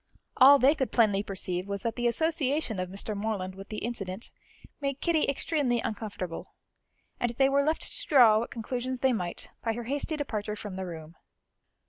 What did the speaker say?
All they could plainly perceive was that the association of Mr. Morland with the incident made Kitty extremely uncomfortable, and they were left to draw what conclusions they might by her hasty departure from the room.